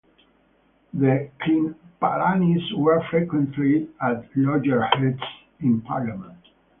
The Kripalanis were frequently at loggerheads in Parliament.